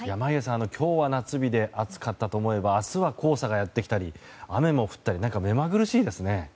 今日は夏日で暑かったと思えば明日は黄砂がやってきたり雨も降ったり目まぐるしいですね。